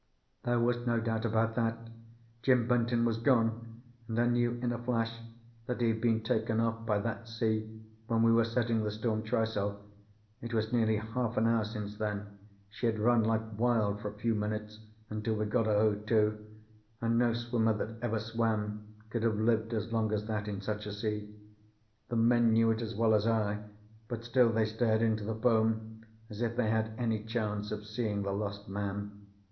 There was no doubt about that. Jim Benton was gone; and I knew in a flash that he had been taken off by that sea when we were setting the storm trysail. It was nearly half an hour since then; she had run like wild for a few minutes until we got her hove to, and no swimmer that ever swam could have lived as long as that in such a sea. The men knew it as well as I, but still they stared into the foam as if they had any chance of seeing the lost man.